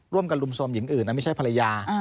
ร่วมกับรุมโทรมหญิงอื่นไม่ใช่ภรรยา